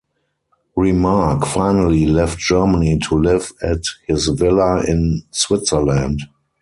Remarque finally left Germany to live at his villa in Switzerland.